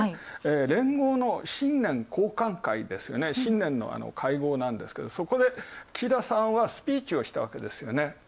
連合の新年交換会、新年の会合なんですけど、そこで岸田さんは、スピーチをしたわけですよね。